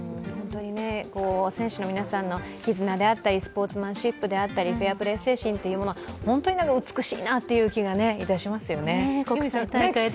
選手の皆さんの絆であったり、スポーツマンシップであったり、フェアプレー精神は美しいなという気がいたしますよね。